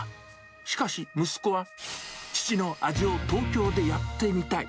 しかし息子は、父の味を東京でやってみたい。